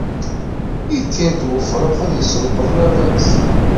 yekker-d wefrux ad yesselqeḍ baba-s.